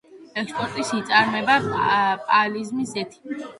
ექსპორტისათვის იწარმოება პალმის ზეთი.